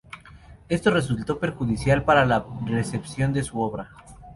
Esto resultó perjudicial para la recepción de su obra.